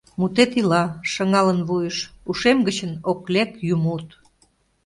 Мутет ила, шыҥалын вуйыш, Ушем гычын ок лек ю мут.